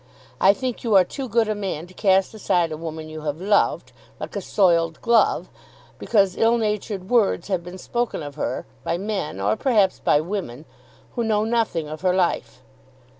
I think you are too good a man to cast aside a woman you have loved, like a soiled glove, because ill natured words have been spoken of her by men, or perhaps by women, who know nothing of her life.